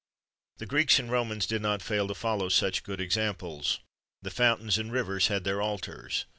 [XXV 6] The Greeks and Romans did not fail to follow such good examples. The fountains and rivers had their altars.